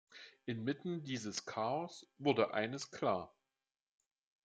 Inmitten dieses Chaos wurde eines klar.